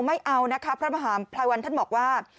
ไม่เอาพระมหาพลายวันท่านบอกว่า